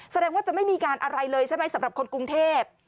แสดงว่าจะไม่มีการอะไรเลยใช่ไหมสำหรับคนกรุงเทพ